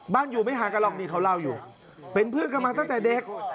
อยู่ไม่ห่างกันหรอกนี่เขาเล่าอยู่เป็นเพื่อนกันมาตั้งแต่เด็ก